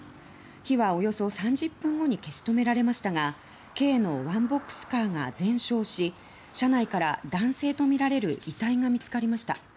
火はおよそ３０分後に消し止められましたが軽のワンボックスカーが全焼し車内から男性とみられる遺体が見つかりました。